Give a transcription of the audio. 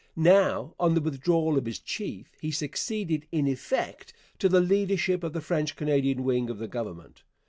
Now, on the withdrawal of his chief, he succeeded, in effect, to the leadership of the French Canadian wing of the Government.